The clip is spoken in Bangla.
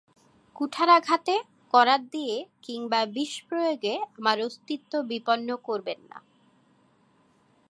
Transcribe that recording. কুঠারাঘাতে, করাত দিয়ে কিংবা বিষ প্রয়োগে আমার অস্তিত্ব বিপন্ন করবেন না।